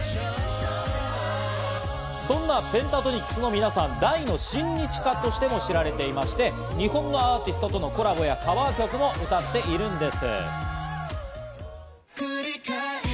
そんなペンタトニックスの皆さん、大の親日家としても知られていまして、日本のアーティストとのコラボやカバー曲も歌っているんです。